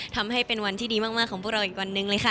ทำให้เป็นวันที่ดีมากของพวกเราอีกวันหนึ่งเลยค่ะ